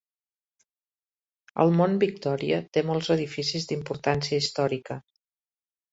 El mont Victòria té molts edificis d'importància històrica.